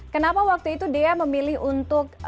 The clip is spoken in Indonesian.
kenapa waktu itu dea memilih untuk